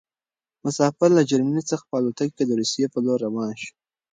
مسافر له جرمني څخه په الوتکه کې د روسيې په لور روان شو.